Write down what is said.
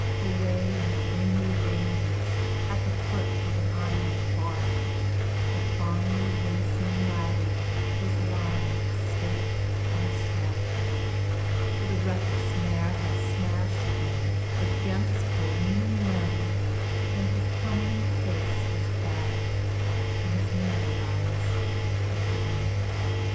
Away in the gloomy ranges, at the foot of an ironbark, The bonnie, winsome laddie was lying stiff and stark; For the Reckless mare had smashed him against a leaning limb, And his comely face was battered, and his merry eyes were dim.